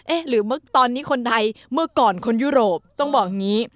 หรือตอนนี้คนไทยเมื่อก่อนคนยุโรปต้องบอกอย่างนี้